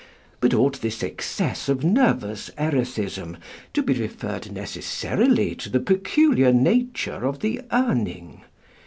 But ought this excess of nervous erethism to be referred necessarily to the peculiar nature of the Urning?